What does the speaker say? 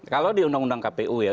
kalau di undang undang kpu ya